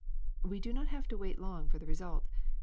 *^We do not have to wait long for the result.